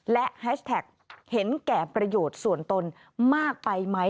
และแฮชแท็กเห็นแก่ประโยชน์ส่วนตนมากไปไหม